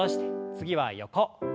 次は横。